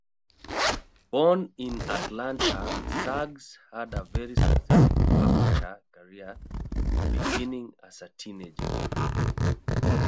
Born in Atlanta, Suggs had a very successful amateur career, beginning as a teenager.